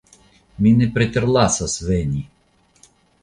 Mi ne preterlasos veni!